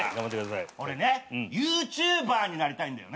俺ねＹｏｕＴｕｂｅｒになりたいんだよね。